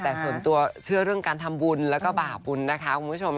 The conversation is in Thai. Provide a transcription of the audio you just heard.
แต่ส่วนตัวเชื่อเรื่องการทำบุญแล้วก็บาปบุญนะคะคุณผู้ชม